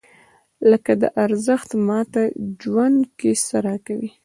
لکه دا ارزښت ماته ژوند کې څه راکوي؟